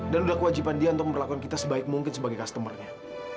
dan sudah kewajiban dia untuk memperlakukan kita sebaik mungkin sebagai pelanggan